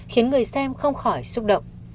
khiến người xem không khỏi xúc động